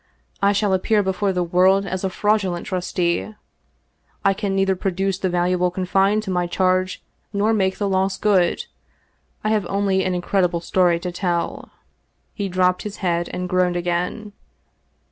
I shall appear before the world as a fraudulent trustee. I can neither produce the valuable con fided to my charge nor make the loss good. I have only an incredible story to tell," he dropped his head and groaned again.